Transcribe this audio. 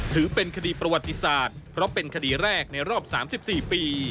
ถือเป็นคดีประวัติศาสตร์เพราะเป็นคดีแรกในรอบ๓๔ปี